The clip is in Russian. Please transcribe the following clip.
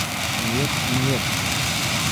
Нет и нет!